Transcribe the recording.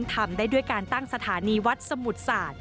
ทำได้ด้วยการตั้งสถานีวัดสมุทรศาสตร์